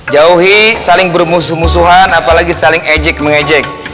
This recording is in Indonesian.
jauhi saling bermusuhan musuhan apalagi saling ejek mengejek